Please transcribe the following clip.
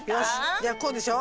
じゃあこうでしょ。